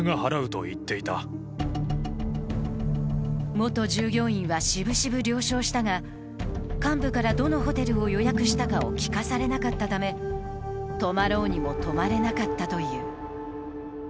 元従業員は渋々了承したが幹部からどのホテルを予約したかを聞かされなかったため泊まろうにも泊まれなかったという。